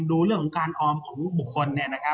ดูเรื่องของการออมของบุคคล